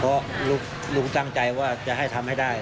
เพราะลูกตั้งใจว่าจะให้ทำให้ได้